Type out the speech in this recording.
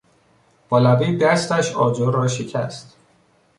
با لبهی دستش آجر را شکست.